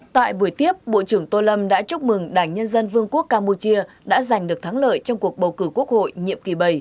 tại buổi tiếp bộ trưởng tô lâm đã chúc mừng đảng nhân dân vương quốc campuchia đã giành được thắng lợi trong cuộc bầu cử quốc hội nhiệm kỳ bảy